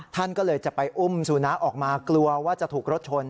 ท่านก็เลยจะไปอุ้มสุนัขออกมากลัวว่าจะถูกรถชน